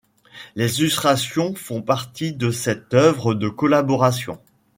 Les illustrations font partie de cette œuvre de collaboration.